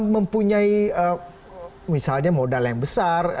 mempunyai misalnya modal yang besar